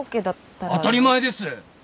当たり前です！